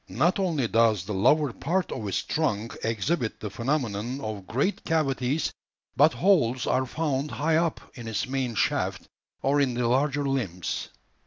Not only does the lower part of its trunk exhibit the phenomenon of great cavities, but holes are found high up in its main shaft or in the larger limbs.